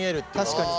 確かに。